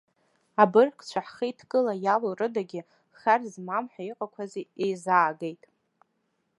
Абыргцәа ҳхеидкыла иалоу рыдагьы, хар змам ҳәа иҟақәаз еизаагеит.